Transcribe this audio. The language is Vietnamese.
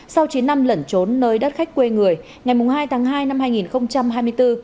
sau chín năm lẩn trốn nơi đất khách quê người ngày hai tháng hai năm hai nghìn hai mươi bốn